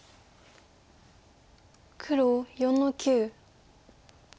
黒４の九。